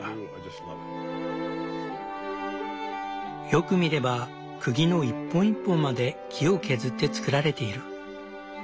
よく見ればくぎの一本一本まで木を削ってつくられている。